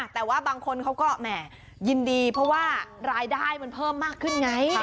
แต่ว่าบางคนเขาก็แหม่ยินดีเพราะว่ารายได้มันเพิ่มมากขึ้นไง